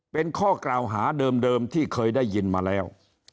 เป็นข้อกล่าวหาเดิมที่เคยได้ยินมาแล้ว